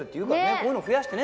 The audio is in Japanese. こういうの増やしてね